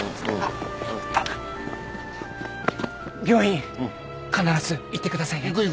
病院必ず行ってくださいね。